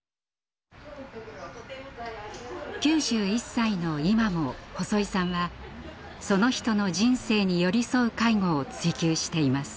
９１歳の今も細井さんはその人の人生に寄り添う介護を追求しています。